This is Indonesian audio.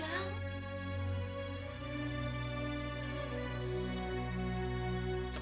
iwan bilang kalau ibunya sudah meninggal